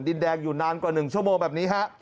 ดินแดงอยู่นานกว่า๑ชั่วโมงแบบนี้ฮะ